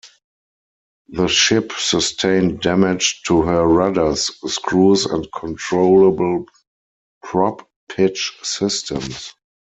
The ship sustained damaged to her rudders, screws, and controllable prop pitch systems.